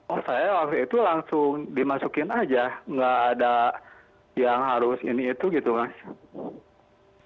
oh saya waktu itu langsung dimasukin aja nggak ada yang harus ini itu gitu mas